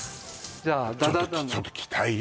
じゃあちょっと期待よ